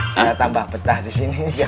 saya tambah betah di sini